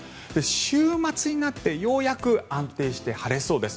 週末になってようやく安定して晴れそうです。